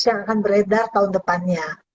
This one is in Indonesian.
yang akan beredar tahun depannya